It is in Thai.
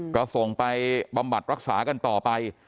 ก็ส่งไปบำบัดรักษากันต่อไป